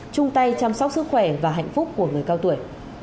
chung tay chăm sóc sức khỏe và hạnh phúc của người cao tuổi